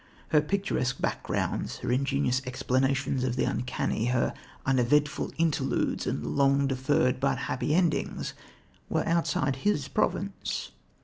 Her picturesque backgrounds, her ingenious explanations of the uncanny, her uneventful interludes and long deferred but happy endings were outside his province.